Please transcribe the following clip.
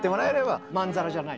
まんざらじゃない？